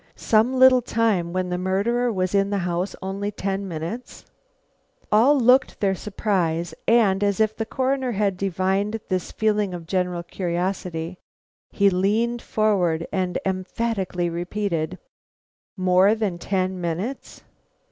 Some little time, when the murderer was in the house only ten minutes! All looked their surprise, and, as if the Coroner had divined this feeling of general curiosity, he leaned forward and emphatically repeated: "More than ten minutes?"